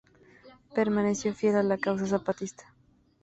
Permaneció fiel a la causa zapatista.